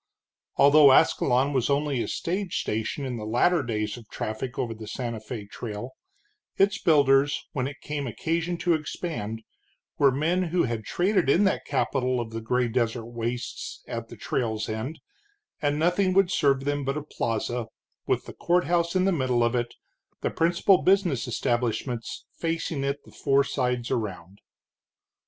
Although Ascalon was only a stage station in the latter days of traffic over the Santa Fé Trail, its builders, when it came occasion to expand, were men who had traded in that capital of the gray desert wastes at the trail's end, and nothing would serve them but a plaza, with the courthouse in the middle of it, the principal business establishments facing it the four sides around.